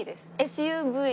ＳＵＶ。